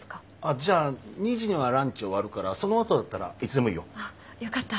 じゃあ２時にはランチ終わるからそのあとだったらいつでもいいよ。よかった。